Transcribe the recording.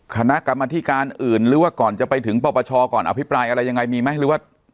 คณะกรรมธิการอื่นหรือว่าก่อนจะไปถึงปปชก่อนอภิปรายอะไรยังไงมีไหมหรือว่า